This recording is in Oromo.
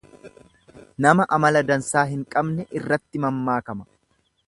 Nama amala dansaa hin qabne irratti mammaakama.